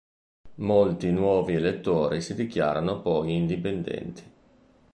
Molti nuovi elettori si dichiarano poi indipendenti.